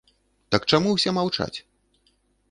Так чаму ўсе маўчаць?